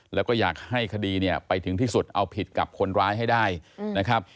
แล้วก็อยากให้คดีเนี่ยไปถึงที่สุดเอาผิดกับคนร้ายให้ได้นะครับ